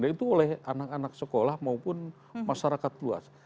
dan itu oleh anak anak sekolah maupun masyarakat luas